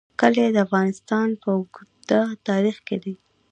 کلي د افغانستان په اوږده تاریخ کې دي.